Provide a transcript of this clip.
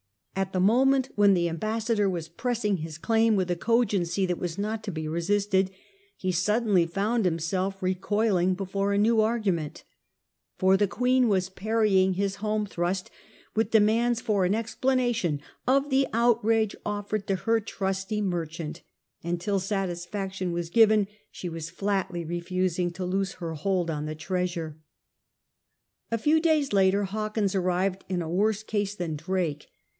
At the moment when the Ambassador was pressing his claim with a cogency that was not to be resisted, he suddenly found himself recoiling before a new aipiment. For the Queen was parrying his home thrust with demands for an explanation of the outrage offered to her trusty mer chant; and, till satisfaction was given, she was flatly refusing to loose her hold on the treasure. A few days later Hawkins arrived in a worse case than Drake.